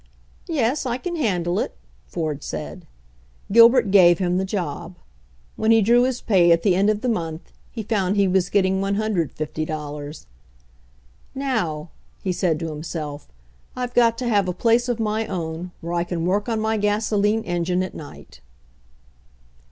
"Yes, I can handle it," Ford said. Gilbert gave him the job. When he drew his pay at the end of the month he found he was getting $150. "Now," he said to himself, "I've got to have a place of my own, where I can work on my gasoline engine at night."